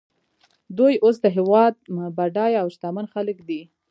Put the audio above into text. دوی اوس د هېواد بډایه او شتمن خلک دي